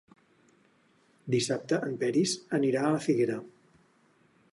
Dissabte en Peris anirà a la Figuera.